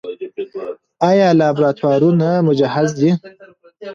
آیا لابراتوارونه مجهز دي؟